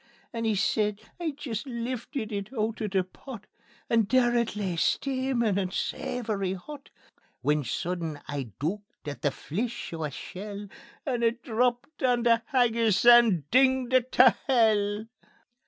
And he says: "I'd jist liftit it oot o' the pot, And there it lay steamin' and savoury hot, When sudden I dooked at the fleech o' a shell, And it _DRAPPED ON THE HAGGIS AND DINGED IT TAE HELL.